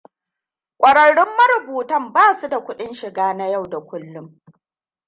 Kwararrun marubutan ba su da kudin shiga na yau da kullun.